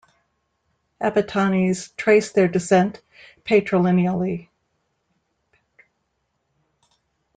Apatanis trace their descent patrilineally.